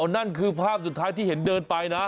นั่นคือภาพสุดท้ายที่เห็นเดินไปนะ